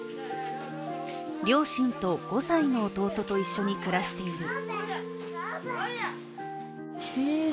両親と５歳の弟と一緒に暮らしている。